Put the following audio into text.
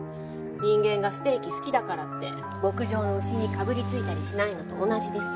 人間がステーキ好きだからって牧場の牛にかぶりついたりしないのと同じでさ。